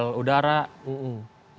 ini duel udara misalnya